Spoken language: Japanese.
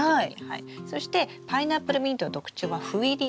そしてパイナップルミントの特徴は斑入り。